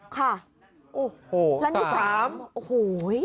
ค่ะโอ้โหลำที่๓โอ้โห